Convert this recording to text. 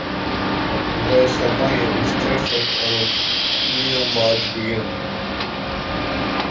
In glês sjampanje is treflik om it miel mei te begjinnen.